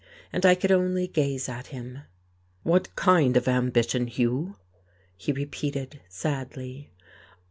And I could only gaze at him. "What kind of ambition, Hugh?" he repeated sadly.